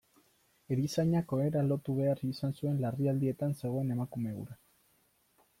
Erizainak ohera lotu behar izan zuen larrialdietan zegoen emakume hura.